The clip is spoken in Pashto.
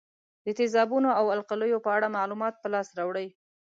د تیزابونو او القلیو په اړه معلومات په لاس راوړئ.